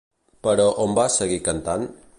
Però, on va seguir cantant?